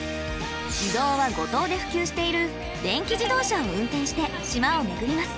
移動は五島で普及している電気自動車を運転して島を巡ります。